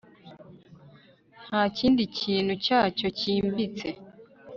Ntakindi kintu cyacyo cyimbitse